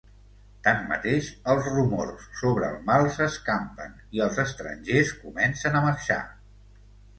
Tanmateix, els rumors sobre el mal s'escampen i els estrangers comencen a marxar.